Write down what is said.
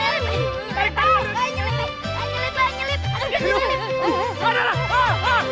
whatever yaan keon